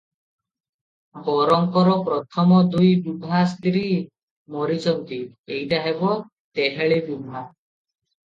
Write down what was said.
ବରଙ୍କର ପ୍ରଥମ ଦୁଇ ବିଭା ସ୍ତିରୀ ମରିଛନ୍ତି, ଏଇଟା ହେବ ତେହଳି ବିଭା ।